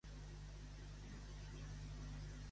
Què tal va la cosa?